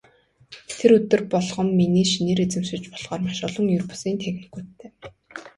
Тэр өдөр болгон миний шинээр эзэмшиж болохоор маш олон ер бусын техникүүдтэй.